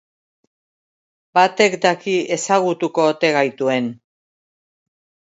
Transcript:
Batek daki ezagutuko ote gaituen!